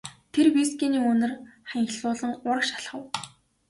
Тэр вискиний үнэр ханхлуулан урагш алхав.